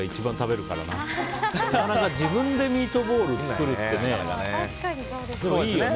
なかなか、自分でミートボールを作るってね。